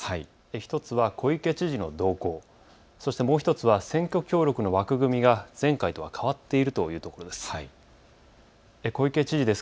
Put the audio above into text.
１つは小池知事の動向、そしてもう１つは選挙協力の枠組みが前回とは変わっているというところです。